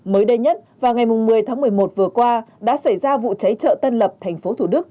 mới đây nhất vào ngày một mươi tháng một mươi một vừa qua đã xảy ra vụ cháy chợ tân lập thành phố thủ đức